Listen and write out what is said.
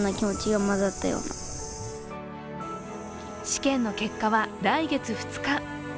試験の結果は来月２日。